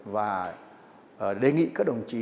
và đề nghị các đồng chí